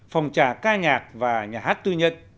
phòng trà ca nhạc và nhà hát tư nhân